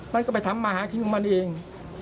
มันก็ไปทำมาหากินของมันเอง